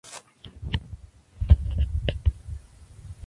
Pero pronto se vieron involucrados en la labor educativa.